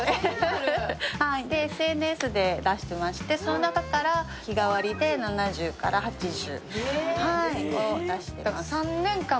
ＳＮＳで出してまして、その中から日替わりで７０から８０。